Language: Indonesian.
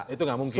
itu tidak mungkin